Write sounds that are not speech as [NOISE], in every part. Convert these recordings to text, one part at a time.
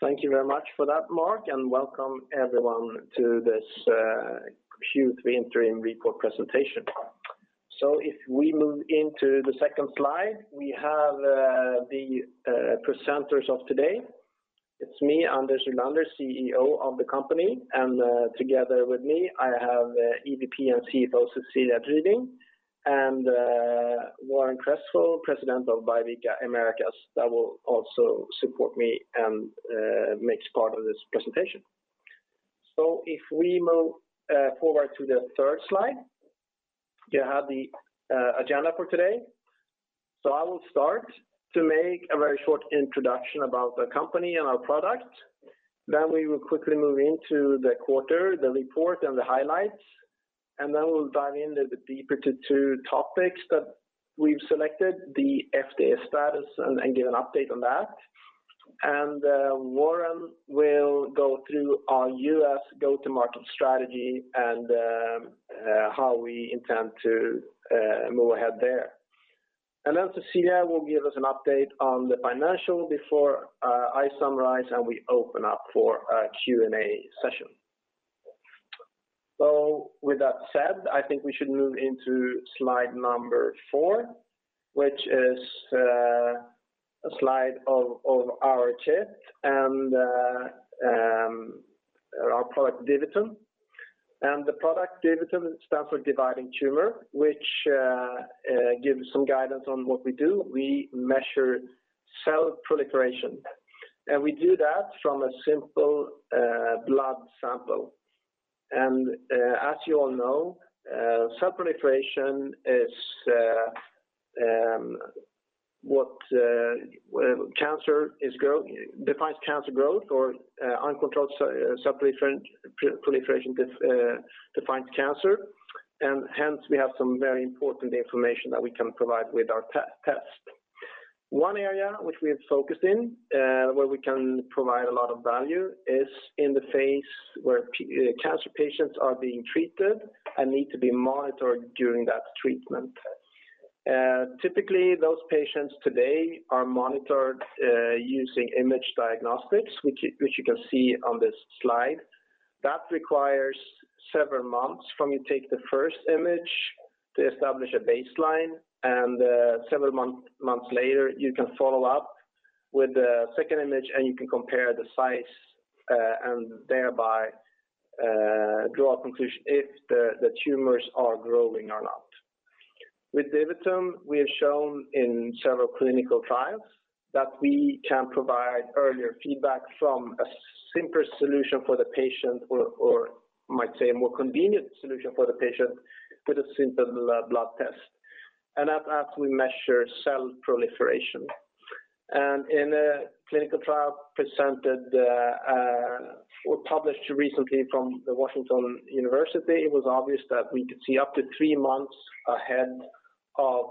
Thank you very much for that, Mark, and welcome everyone to this Q3 interim report presentation. If we move into the second slide, we have the presenters of today. It's me, Anders Rylander, CEO of the company, and together with me, I have EVP and CFO, Cecilia Driving, and Warren Cresswell, President of Biovica Americas, that will also support me and makes part of this presentation. If we move forward to the third slide, you have the agenda for today. I will start to make a very short introduction about the company and our product. We'll quickly move into the quarter, the report and the highlights. We'll dive deeper into two topics that we've selected, the FDA status and give an update on that. Warren will go through our US go-to-market strategy and how we intend to move ahead there. Then Cecilia will give us an update on the financial before I summarize, and we open up for a Q&A session. With that said, I think we should move into slide number four, which is a slide of our chip and our product, DiviTum. The product DiviTum stands for dividing tumor, which gives some guidance on what we do. We measure cell proliferation, and we do that from a simple blood sample. As you all know, cell proliferation is what defines cancer growth or uncontrolled cell proliferation defines cancer. Hence, we have some very important information that we can provide with our test. One area which we have focused in, where we can provide a lot of value is in the phase where cancer patients are being treated and need to be monitored during that treatment. Typically, those patients today are monitored using image diagnostics, which you can see on this slide. That requires several months from you take the first image to establish a baseline, and several months later, you can follow up with the second image, and you can compare the size, and thereby draw a conclusion if the tumors are growing or not. With DiviTum, we have shown in several clinical trials that we can provide earlier feedback from a simpler solution for the patient or might say a more convenient solution for the patient with a simple blood test. That's as we measure cell proliferation. In a clinical trial presented or published recently from Washington University, it was obvious that we could see up to three months ahead of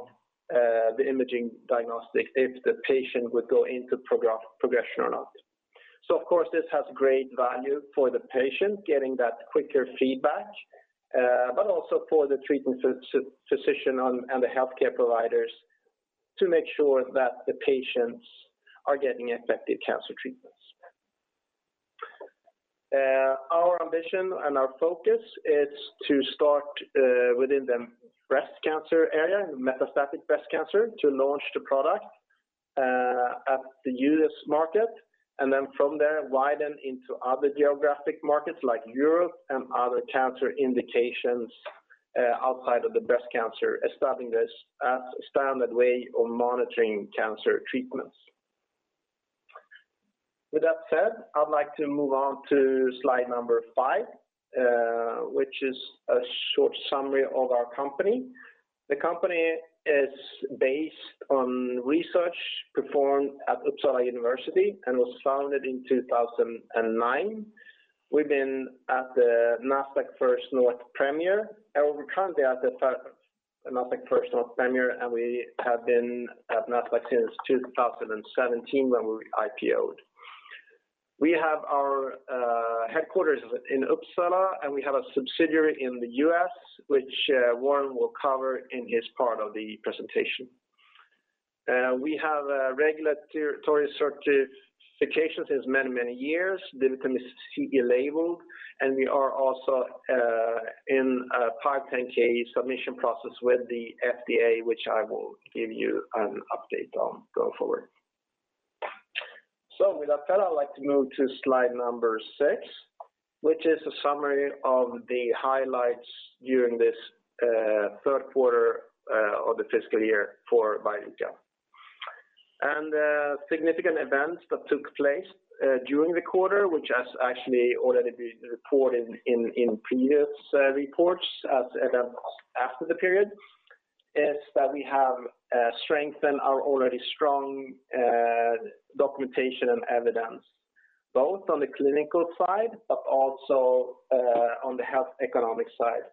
the imaging diagnostic if the patient would go into progression or not. Of course, this has great value for the patient getting that quicker feedback, but also for the treating physician and the healthcare providers to make sure that the patients are getting effective cancer treatments. Our ambition and our focus is to start within the breast cancer area, metastatic breast cancer, to launch the product in the U.S. market. Then from there, widen into other geographic markets like Europe and other cancer indications outside of the breast cancer, establishing this as a standard way of monitoring cancer treatments. With that said, I'd like to move on to slide number five, which is a short summary of our company. The company is based on research performed at Uppsala University and was founded in 2009. We've been at the Nasdaq First North Premier, and we're currently at the Nasdaq First North Premier, and we have been at Nasdaq since 2017 when we IPO'd. We have our headquarters in Uppsala, and we have a subsidiary in the U.S., which Warren will cover in his part of the presentation. We have regulatory certifications since many, many years. DiviTum is CE-marked, and we are also in a 510(k) submission process with the FDA, which I will give you an update on going forward. With that said, I'd like to move to slide number six, which is a summary of the highlights during this third quarter of the fiscal year for Biovica. Significant events that took place during the quarter, which has actually already been reported in previous reports as after the period, is that we have strengthened our already strong documentation and evidence, both on the clinical side, but also on the health economic side.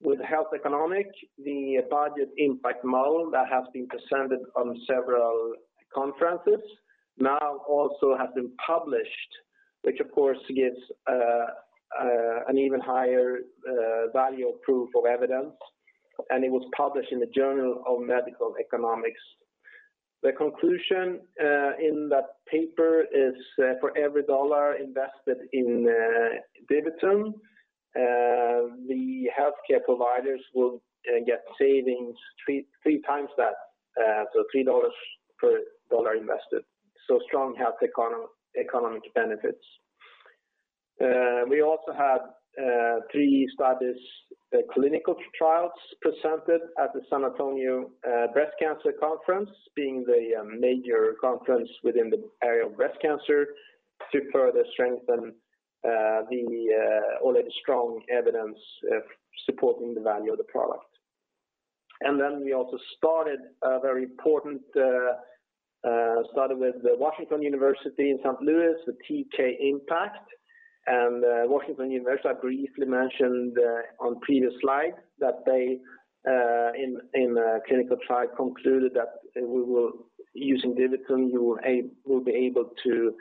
With health economic, the budget impact model that has been presented on several conferences now also has been published, which of course gives an even higher value of proof of evidence. It was published in the Journal of Medical Economics. The conclusion in that paper is for every $1 invested in DiviTum, the healthcare providers will get savings three times that, so $3 per $1 invested. Strong health economic benefits. We also had three studies, clinical trials presented at the San Antonio Breast Cancer Symposium, being the major conference within the area of breast cancer to further strengthen the already strong evidence supporting the value of the product. We also started a very important study with Washington University in St. Louis, the TK IMPACT. Washington University, I briefly mentioned on previous slide that they, in a clinical trial concluded that using DiviTum, you will be able to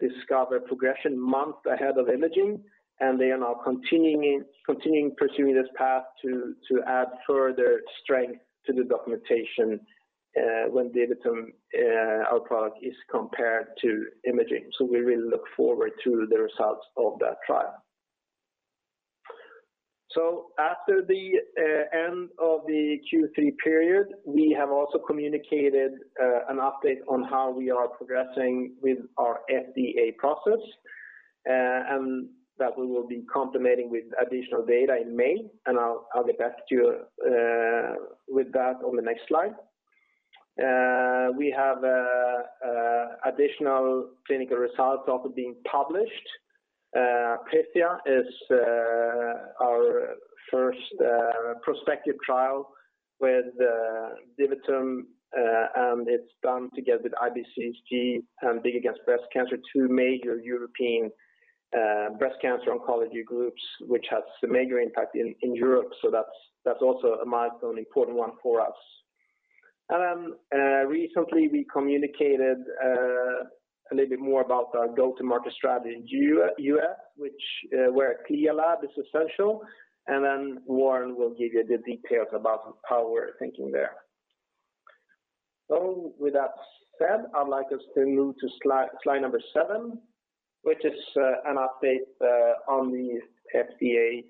discover progression months ahead of imaging. They are now continuing pursuing this path to add further strength to the documentation when DiviTum, our product, is compared to imaging. We really look forward to the results of that trial. After the end of the Q3 period, we have also communicated an update on how we are progressing with our FDA process, and that we will be complementing with additional data in May, and I'll get back to you with that on the next slide. We have additional clinical results also being published. PETIA is our first prospective trial with DiviTum, and it's done together with IBCSG, BIG against breast cancer, two major European breast cancer oncology groups, which has a major impact in Europe. That's also a milestone, important one for us. Recently, we communicated a little bit more about our go-to-market strategy in U.S., which, where a CLIA lab is essential. Warren will give you the details about how we're thinking there. With that said, I'd like us to move to slide number seven, which is an update on the FDA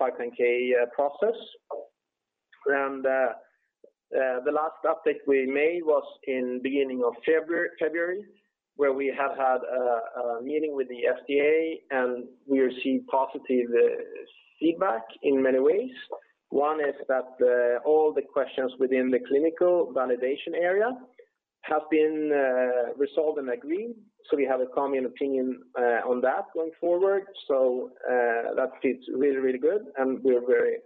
510K process. The last update we made was in beginning of February, where we have had a meeting with the FDA, and we received positive feedback in many ways. One is that all the questions within the clinical validation area have been resolved and agreed, so we have a common opinion on that going forward. That feels really good, and we're very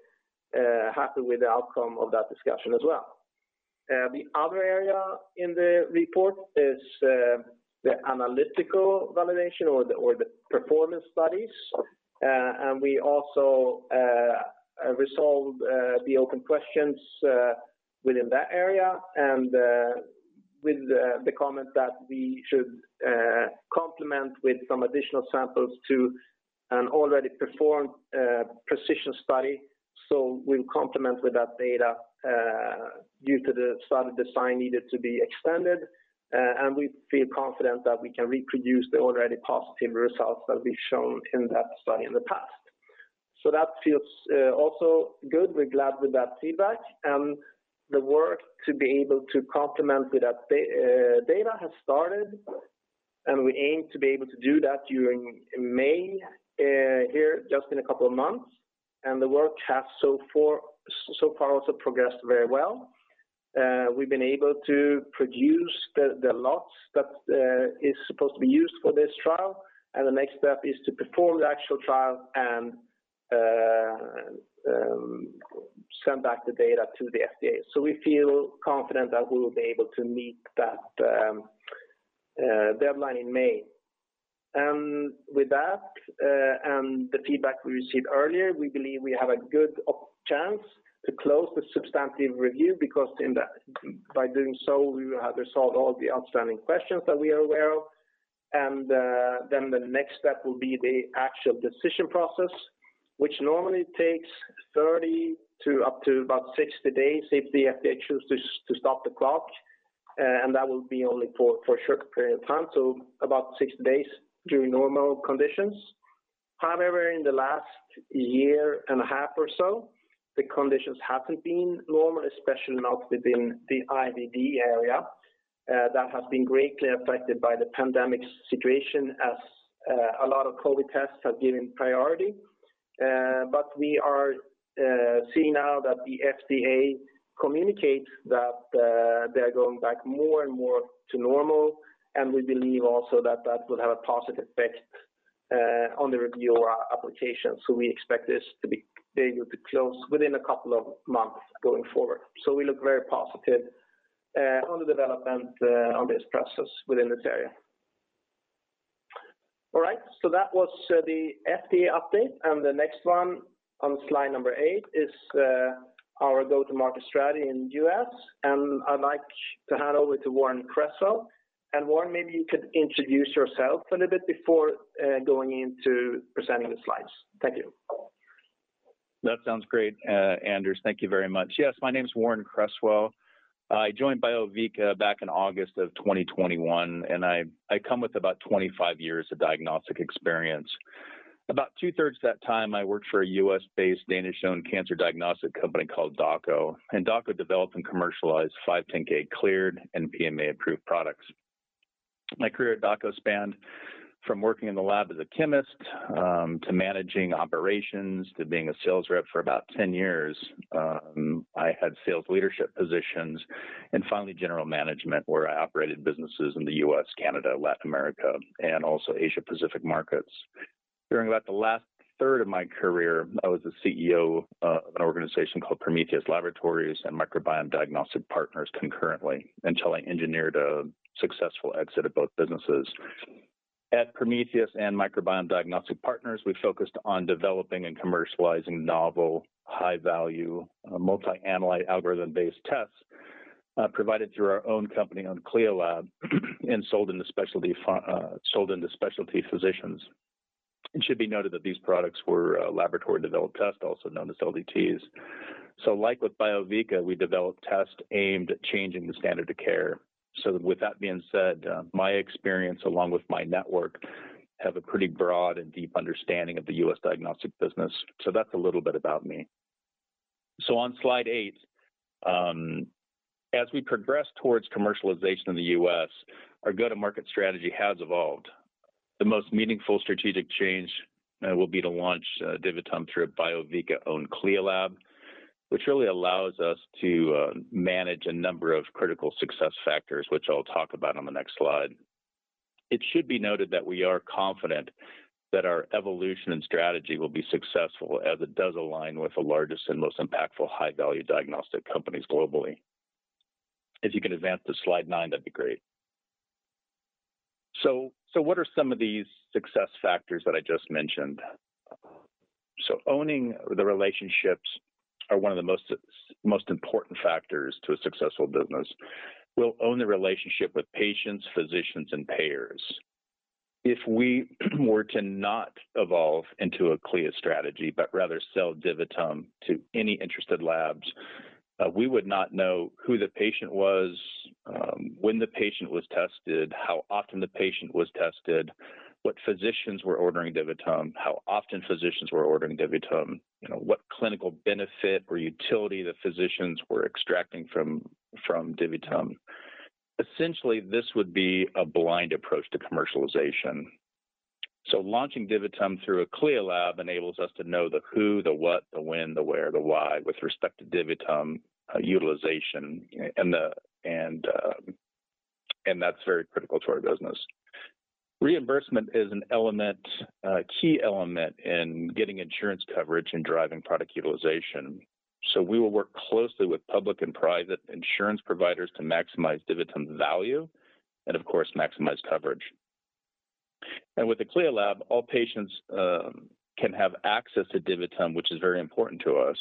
happy with the outcome of that discussion as well. The other area in the report is the analytical validation or the performance studies. We also resolved the open questions within that area and with the comment that we should complement with some additional samples to an already performed precision study. We'll complement with that data due to the study design needed to be extended and we feel confident that we can reproduce the already positive results that we've shown in that study in the past. That feels also good. We're glad with that feedback and the work to be able to complement with that data has started, and we aim to be able to do that during May here just in a couple of months. The work has so far also progressed very well. We've been able to produce the lots that is supposed to be used for this trial, and the next step is to perform the actual trial and send back the data to the FDA. We feel confident that we will be able to meet that deadline in May. With that and the feedback we received earlier, we believe we have a good chance to close the substantive review because by doing so, we will have resolved all the outstanding questions that we are aware of. Then the next step will be the actual decision process, which normally takes 30 to up to about 60 days if the FDA choose to stop the clock. That will be only for a short period of time, so about 60 days during normal conditions. However, in the last year and a half or so, the conditions haven't been normal, especially not within the IVD area, that has been greatly affected by the pandemic situation as a lot of COVID tests have been given priority. We are seeing now that the FDA communicates that they're going back more and more to normal. We believe also that that will have a positive effect on the review of our application. We expect this to be able to close within a couple of months going forward. We look very positive on the development on this process within this area. All right. That was the FDA update. The next one on slide number eight is our go-to-market strategy in the U.S., and I'd like to hand over to Warren Cresswell. Warren, maybe you could introduce yourself a little bit before going into presenting the slides. Thank you. That sounds great, Anders. Thank you very much. Yes, my name is Warren Cresswell. I joined Biovica back in August of 2021, and I come with about 25 years of diagnostic experience. About 2/3 of that time, I worked for a U.S.-based, Danish-owned cancer diagnostic company called Dako. Dako developed and commercialized 510K cleared and PMA-approved products. My career at Dako spanned from working in the lab as a chemist to managing operations, to being a sales rep for about 10 years. I had sales leadership positions and finally general management, where I operated businesses in the U.S., Canada, Latin America, and also Asia-Pacific markets. During about the last third of my career, I was a CEO of an organization called Prometheus Laboratories and Microbiome Diagnostics Partners concurrently until I engineered a successful exit of both businesses. At Prometheus and Microbiome Diagnostics Partners, we focused on developing and commercializing novel, high-value, multi-analyte algorithm-based tests, provided through our own company, own CLIA lab, and sold into specialty physicians. It should be noted that these products were laboratory-developed tests, also known as LDTs. Like with Biovica, we developed tests aimed at changing the standard of care. With that being said, my experience along with my network have a pretty broad and deep understanding of the U.S. diagnostic business. That's a little bit about me. On slide eight, as we progress towards commercialization in the U.S., our go-to-market strategy has evolved. The most meaningful strategic change will be to launch DiviTum through a Biovica-owned CLIA lab, which really allows us to manage a number of critical success factors, which I'll talk about on the next slide. It should be noted that we are confident that our evolution and strategy will be successful as it does align with the largest and most impactful high-value diagnostic companies globally. If you could advance to slide nine, that'd be great. What are some of these success factors that I just mentioned? Owning the relationships are one of the most important factors to a successful business. We'll own the relationship with patients, physicians, and payers. If we were to not evolve into a CLIA strategy, but rather sell DiviTum to any interested labs, we would not know who the patient was, when the patient was tested, how often the patient was tested, what physicians were ordering DiviTum, how often physicians were ordering DiviTum, you know, what clinical benefit or utility the physicians were extracting from DiviTum. Essentially, this would be a blind approach to commercialization. Launching DiviTum through a CLIA lab enables us to know the who, the what, the when, the where, the why with respect to DiviTum utilization and that's very critical to our business. Reimbursement is an element, a key element in getting insurance coverage and driving product utilization. We will work closely with public and private insurance providers to maximize DiviTum's value and of course, maximize coverage. With the CLIA lab, all patients can have access to DiviTum, which is very important to us.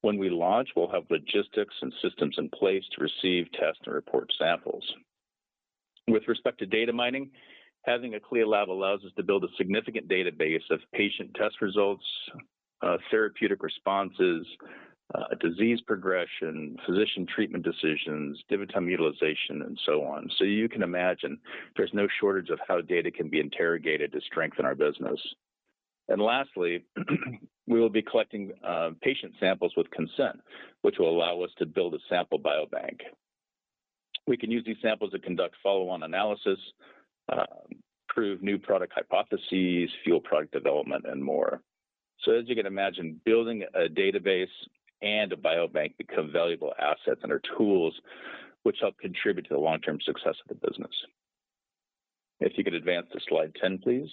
When we launch, we'll have logistics and systems in place to receive, test, and report samples. With respect to data mining, having a CLIA lab allows us to build a significant database of patient test results, therapeutic responses, disease progression, physician treatment decisions, DiviTum utilization, and so on. You can imagine there's no shortage of how data can be interrogated to strengthen our business. Lastly, we will be collecting patient samples with consent, which will allow us to build a sample biobank. We can use these samples to conduct follow-on analysis, prove new product hypotheses, fuel product development, and more. As you can imagine, building a database and a biobank become valuable assets and are tools which help contribute to the long-term success of the business. If you could advance to slide 10, please.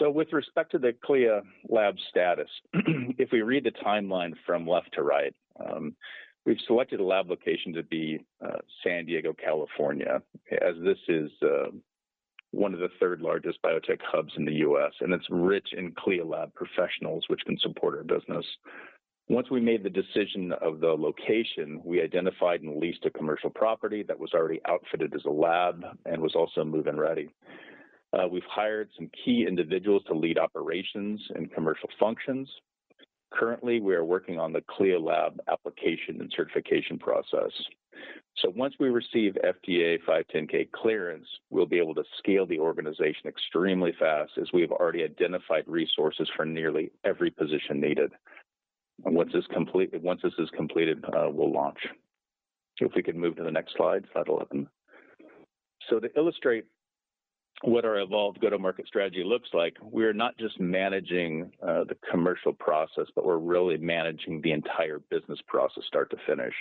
With respect to the CLIA lab status, if we read the timeline from left to right, we've selected a lab location to be San Diego, California, as this is one of the third-largest biotech hubs in the U.S., and it's rich in CLIA lab professionals, which can support our business. Once we made the decision of the location, we identified and leased a commercial property that was already outfitted as a lab and was also move-in ready. We've hired some key individuals to lead operations and commercial functions. Currently, we are working on the CLIA lab application and certification process. Once we receive FDA 510K clearance, we'll be able to scale the organization extremely fast as we have already identified resources for nearly every position needed. Once this is completed, we'll launch. If we could move to the next slide 11. To illustrate what our evolved go-to-market strategy looks like, we are not just managing the commercial process, but we're really managing the entire business process start to finish.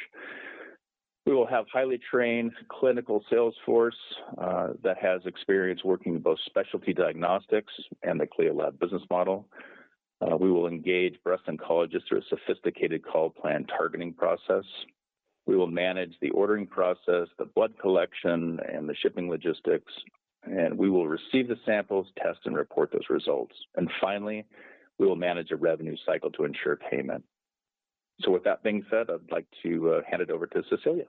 We will have highly trained clinical sales force that has experience working both specialty diagnostics and the CLIA lab business model. We will engage breast oncologists through a sophisticated call plan targeting process. We will manage the ordering process, the blood collection, and the shipping logistics, and we will receive the samples, test, and report those results. Finally, we will manage a revenue cycle to ensure payment. With that being said, I'd like to hand it over to Cecilia.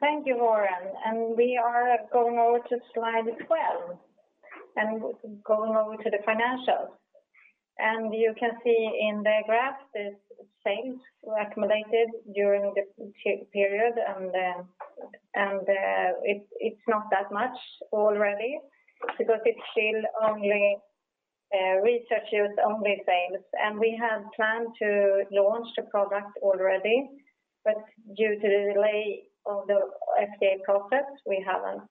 Thank you, Warren. We are going over to slide 12 and going over to the financials. You can see in the graph the sales accumulated during the period. It's not that much already because it's still only researcher sales. We had planned to launch the product already, but due to the delay of the FDA process, we haven't.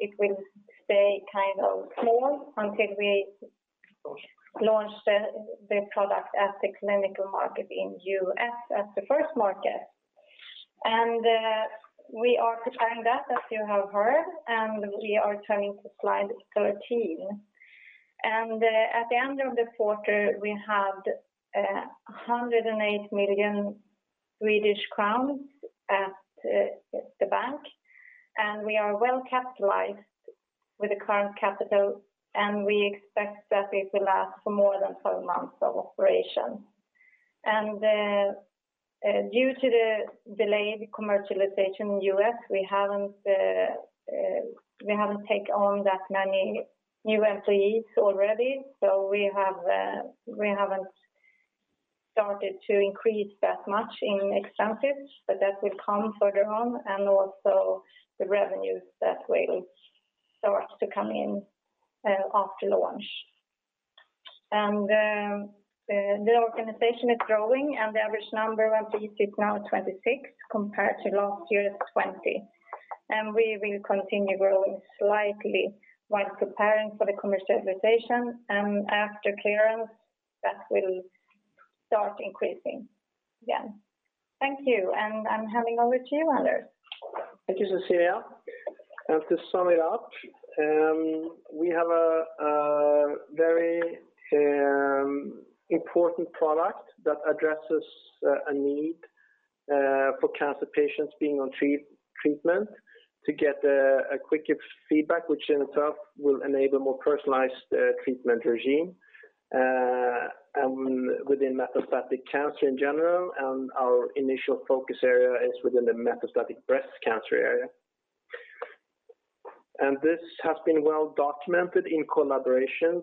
It will stay kind of small until we launch the product at the clinical market in U.S. as the first market. We are preparing that, as you have heard, and we are turning to slide 13. At the end of the quarter, we had 108 million Swedish crowns at the bank, and we are well capitalized with the current capital, and we expect that it will last for more than 12 months of operation. Due to the delayed commercialization in U.S., we haven't take on that many new employees already, so we haven't started to increase that much in expenses, but that will come further on. Also the revenues that will start to come in after launch. The organization is growing, and the average number of employees is now 26 compared to last year's 20. We will continue growing slightly while preparing for the commercialization, and after clearance, that will start increasing again. Thank you, and I'm handing over to you, Anders. Thank you, Cecilia. To sum it up, we have a very important product that addresses a need for cancer patients being on treatment to get a quicker feedback, which in itself will enable more personalized treatment regimen and within metastatic cancer in general. Our initial focus area is within the metastatic breast cancer area. This has been well documented in collaborations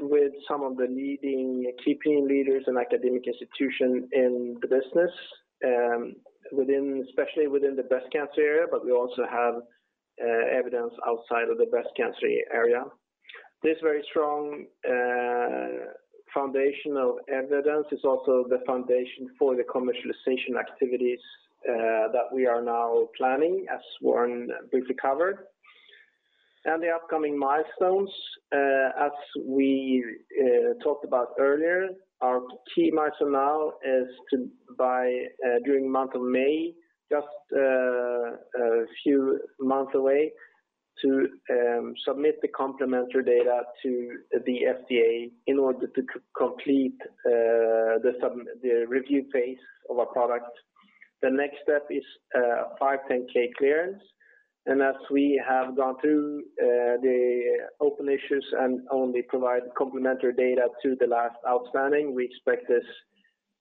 with some of the leading key opinion leaders and academic institution in the business, within, especially within the breast cancer area, but we also have evidence outside of the breast cancer area. This very strong foundation of evidence is also the foundation for the commercialization activities that we are now planning, as Warren briefly covered. The upcoming milestones, as we talked about earlier, our key milestone now is to by during month of May, just a few months away, to submit the complementary data to the FDA in order to complete the review phase of our product. The next step is 510K clearance. As we have gone through the open issues and only provide complementary data to the last outstanding, we expect this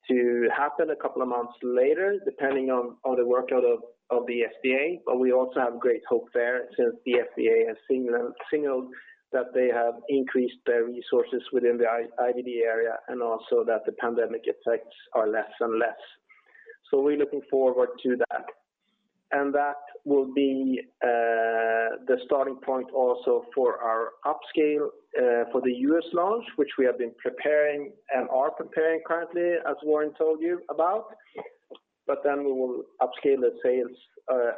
to happen a couple of months later, depending on the workload of the FDA. We also have great hope there since the FDA has signaled that they have increased their resources within the IVD area and also that the pandemic effects are less and less. We're looking forward to that. That will be the starting point also for our upscale for the U.S. launch, which we have been preparing and are preparing currently, as Warren told you about. We will upscale the sales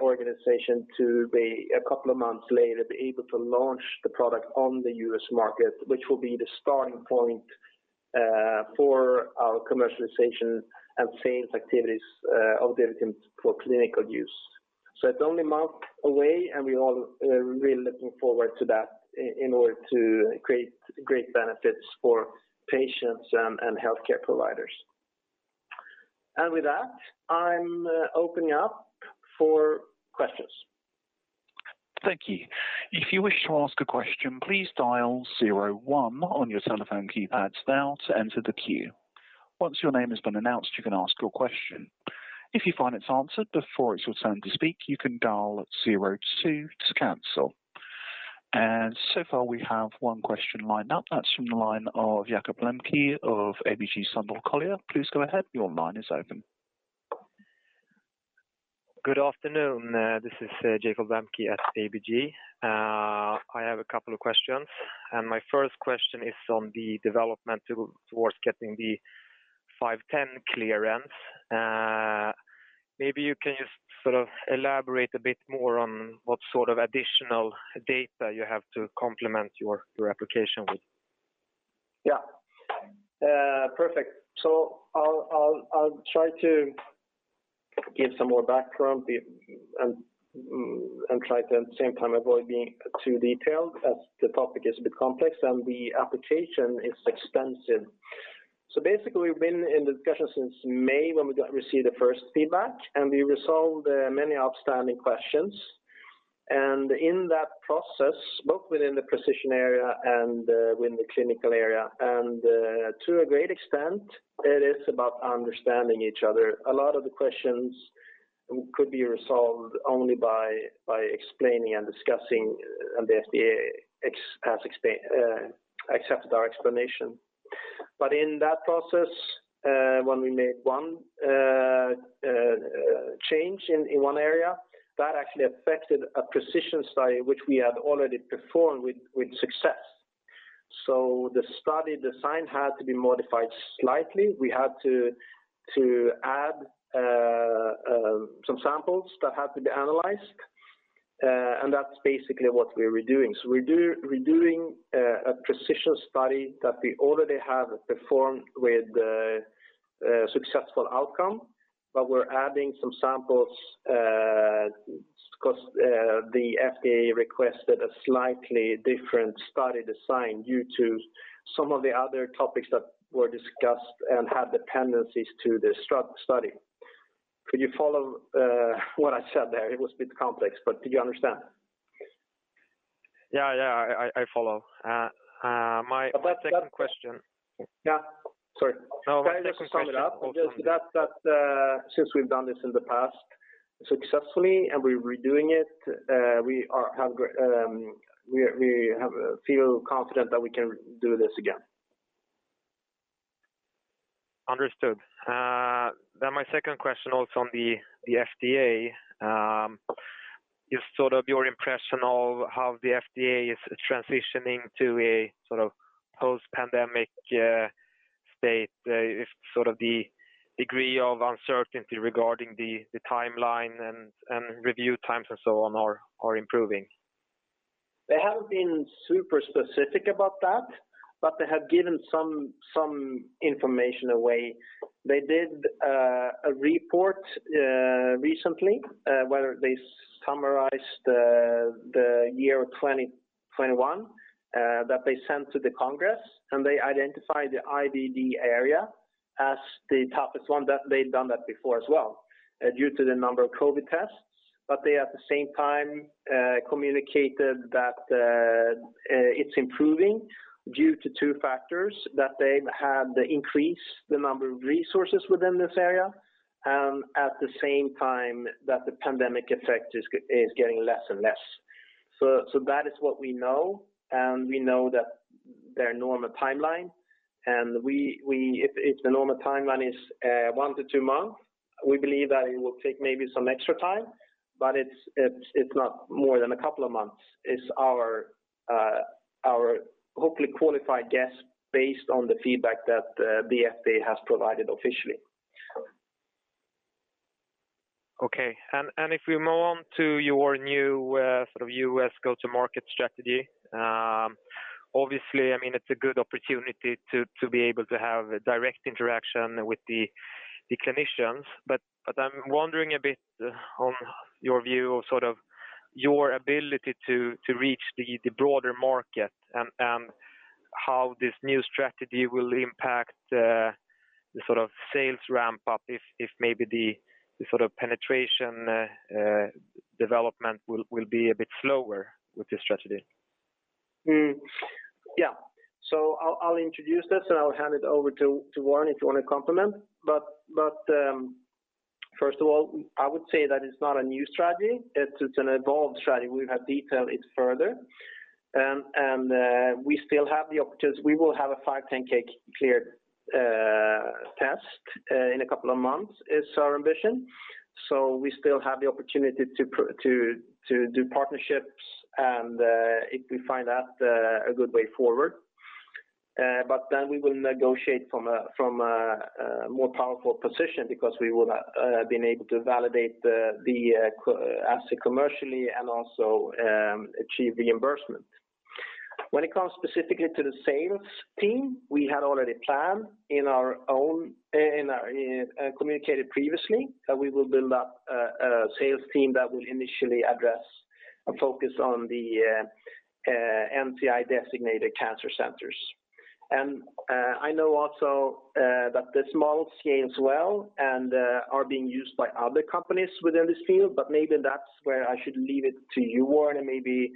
organization to be a couple of months later, be able to launch the product on the U.S. market, which will be the starting point for our commercialization and sales activities of DiviTum for clinical use. It's only a month away, and we all really looking forward to that in order to create great benefits for patients and healthcare providers. With that, I'm opening up for questions. Thank you. If you wish to ask a question, please dial zero one on your telephone keypads now to enter the queue. Once your name has been announced, you can ask your question. If you find it's answered before it's your turn to speak, you can dial zero two to cancel. So far, we have one question lined up. That's from the line of Jakob Lembke of ABG Sundal Collier. Please go ahead. Your line is open. Good afternoon. This is Jakob Lembke at ABG. I have a couple of questions, and my first question is on the development towards getting the 510(k) clearance. Maybe you can just sort of elaborate a bit more on what sort of additional data you have to complement your application with. Yeah. Perfect. I'll try to give some more background and try to at the same time avoid being too detailed as the topic is a bit complex and the application is extensive. Basically, we've been in discussion since May when we received the first feedback, and we resolved many outstanding questions. In that process, both within the precision area and within the clinical area and to a great extent, it is about understanding each other. A lot of the questions could be resolved only by explaining and discussing, and the FDA has accepted our explanation. In that process, when we make one change in one area, that actually affected a precision study which we had already performed with success. The study design had to be modified slightly. We had to add some samples that had to be analyzed, and that's basically what we're redoing. Redoing a precision study that we already have performed with a successful outcome, but we're adding some samples because the FDA requested a slightly different study design due to some of the other topics that were discussed and had dependencies to the study. Could you follow what I said there? It was a bit complex, but did you understand? Yeah, I follow. My second question. Yeah. [CROSSTALK] Just that since we've done this in the past successfully and we're redoing it, we feel confident that we can do this again. Understood. My second question also on the FDA is sort of your impression of how the FDA is transitioning to a sort of post-pandemic state. If sort of the degree of uncertainty regarding the timeline and review times and so on are improving. They haven't been super specific about that, but they have given some information away. They did a report recently where they summarized the year 2021 that they sent to the Congress, and they identified the IVD area as the toughest one. That they'd done that before as well due to the number of COVID tests. They, at the same time, communicated that it's improving due to two factors, that they've had an increase in the number of resources within this area, and at the same time, that the pandemic effect is getting less and less. So that is what we know, and if the normal timeline is one to two months, we believe that it will take maybe some extra time, but it's not more than a couple of months. It's our hopefully qualified guess based on the feedback that the FDA has provided officially. Okay. If we move on to your new sort of U.S. go-to-market strategy, obviously, I mean, it's a good opportunity to be able to have direct interaction with the clinicians. I'm wondering a bit on your view of sort of your ability to reach the broader market and how this new strategy will impact the sort of sales ramp-up if maybe the sort of penetration development will be a bit slower with this strategy. I'll introduce this, and I'll hand it over to Warren if you want to complement. First of all, I would say that it's not a new strategy. It's an evolved strategy. We have detailed it further. We will have a 510K cleared test in a couple of months, is our ambition. We still have the opportunity to do partnerships and if we find that a good way forward. We will negotiate from a more powerful position because we will have been able to validate the asset commercially and also achieve reimbursement. When it comes specifically to the sales team, we had already planned and communicated previously that we will build up a sales team that will initially address a focus on the NCI designated cancer centers. I know also that this model scales well and are being used by other companies within this field, but maybe that's where I should leave it to you, Warren, and maybe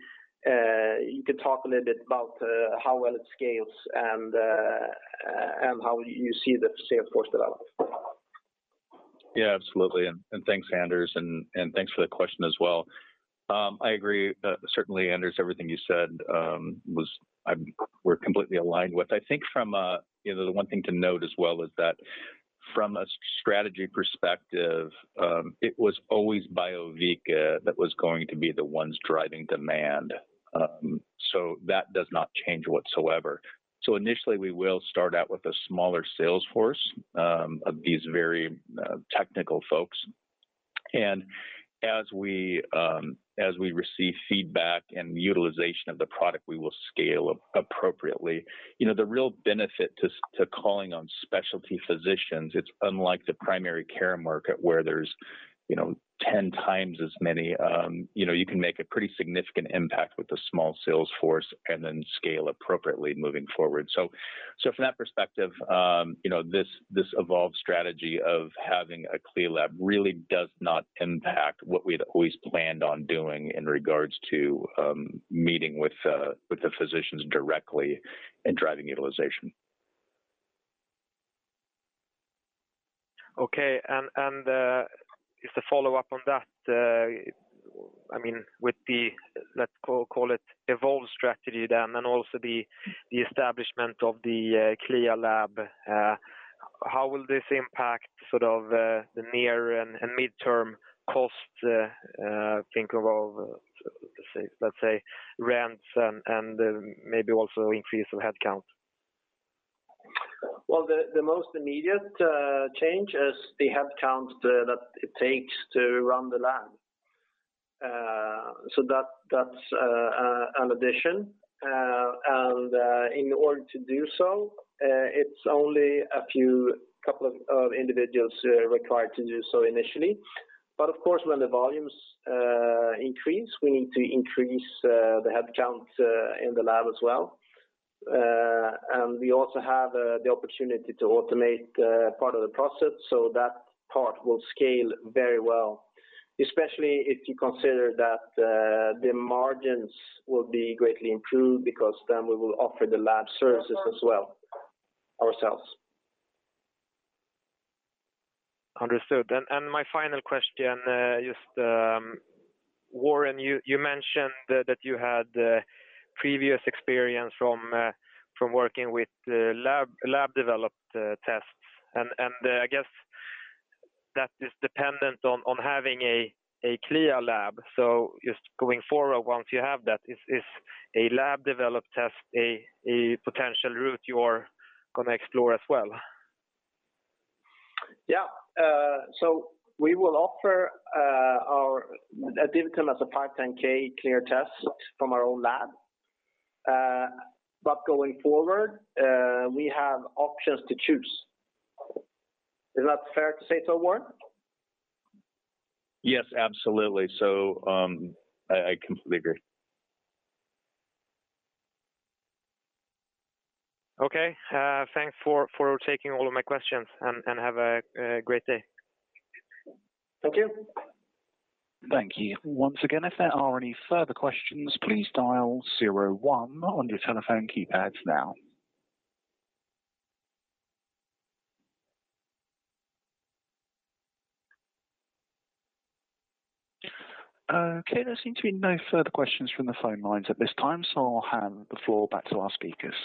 you could talk a little bit about how well it scales and how you see the sales force develop. Yeah, absolutely. Thanks, Anders, thanks for the question as well. I agree certainly, Anders, everything you said we're completely aligned with. I think you know the one thing to note as well is that from a strategy perspective it was always Biovica that was going to be the ones driving demand so that does not change whatsoever. Initially we will start out with a smaller sales force of these very technical folks. As we receive feedback and utilization of the product we will scale appropriately. You know, the real benefit to calling on specialty physicians. It's unlike the primary care market where there's, you know, 10 times as many. You know, you can make a pretty significant impact with the small sales force and then scale appropriately moving forward. From that perspective, you know, this evolved strategy of having a CLIA lab really does not impact what we'd always planned on doing in regards to meeting with the physicians directly and driving utilization. Okay. Just a follow-up on that, I mean, with the let's call it evolved strategy then, and also the establishment of the CLIA lab, how will this impact sort of the near and midterm costs, think of let's say rents and maybe also increase in headcount? Well, the most immediate change is the headcounts that it takes to run the lab. That's an addition. In order to do so, it's only a few couple of individuals required to do so initially. Of course, when the volumes increase, we need to increase the headcount in the lab as well. We also have the opportunity to automate part of the process so that part will scale very well, especially if you consider that the margins will be greatly improved because then we will offer the lab services as well ourselves. Understood. My final question, just, Warren, you mentioned that you had previous experience from working with lab developed tests. I guess that is dependent on having a CLIA lab. Just going forward, once you have that, is a lab developed test a potential route you are gonna explore as well? We will offer that didn't come as a 510K cleared test from our own lab. Going forward, we have options to choose. Is that fair to say so, Warren? Yes, absolutely. I completely agree. Okay. Thanks for taking all of my questions and have a great day. Thank you. Thank you. Once again, if there are any further questions, please dial zero one on your telephone keypads now. Okay. There seem to be no further questions from the phone lines at this time, so I'll hand the floor back to our speakers.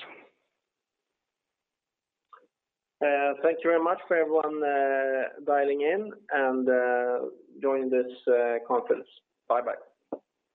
Thank you very much for everyone dialing in and joining this conference. Bye-bye.